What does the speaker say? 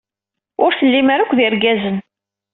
Ur tellim ara akk d irgazen.